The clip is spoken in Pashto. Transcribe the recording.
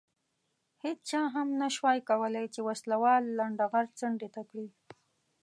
هېچا هم نه شوای کولای چې وسله وال لنډه غر څنډې ته کړي.